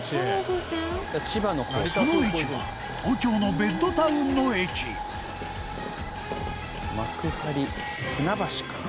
その駅は東京のベッドタウンの駅ウエンツ：幕張、船橋かな？